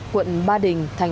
quận ba đình tp hà nội